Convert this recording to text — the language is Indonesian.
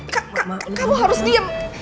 kamu harus diem